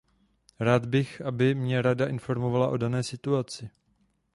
Rád bych, aby mě Rada informovala o dané situaci.